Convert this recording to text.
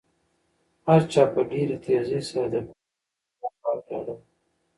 هر چا په ډېرې تېزۍ سره د کوهي په خوله کې خاورې اړولې.